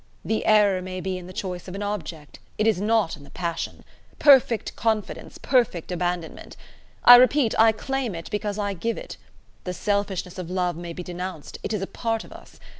The error may be in the choice of an object: it is not in the passion. Perfect confidence, perfect abandonment. I repeat, I claim it because I give it. The selfishness of love may be denounced: it is a part of us.